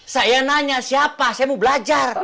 saya nanya siapa saya mau belajar